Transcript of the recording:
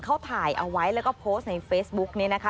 เขาถ่ายเอาไว้แล้วก็โพสต์ในเฟซบุ๊กนี้นะคะ